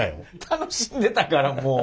楽しんでたからもう。